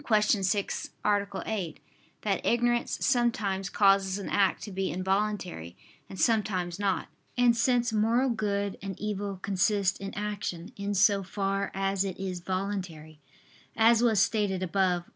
6, A. 8) that ignorance sometimes causes an act to be involuntary, and sometimes not. And since moral good and evil consist in action in so far as it is voluntary, as was stated above (A.